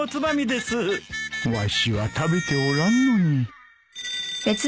わしは食べておらんのに